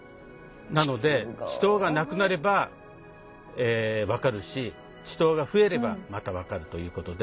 なので池溏が無くなれば分かるし池溏が増えればまた分かるということで。